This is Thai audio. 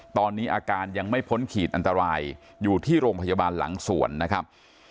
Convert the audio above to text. ตอนนี้อาการยังไม่พ้นขีดอันตรายอยู่ที่โรงพยาบาลหลังสวนนะครับ